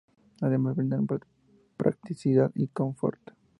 Además brindan practicidad y confort.